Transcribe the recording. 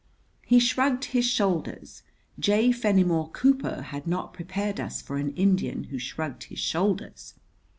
He shrugged his shoulders. J. Fenimore Cooper had not prepared us for an Indian who shrugged his shoulders.